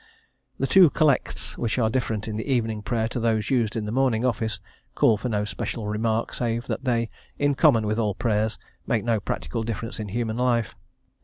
The two Collects, which are different in the evening prayer to those used in the morning office, call for no special remark, save that they in common with all prayers make no practical difference in human life.